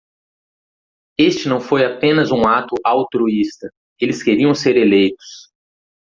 Este não foi apenas um ato altruísta, eles queriam ser eleitos.